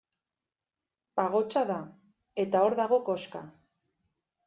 Pagotxa da, eta hor dago koxka.